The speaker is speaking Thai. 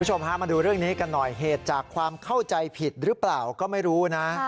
คุณผู้ชมฮะมาดูเรื่องนี้กันหน่อยเหตุจากความเข้าใจผิดหรือเปล่าก็ไม่รู้นะ